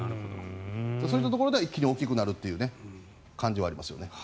そういったところで一気に大きくなる感じがありますよね。